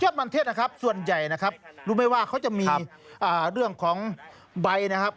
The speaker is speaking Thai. ยอดมันเทศส่วนใหญ่รู้ไหมว่าเขาจะมีเรื่องของใบ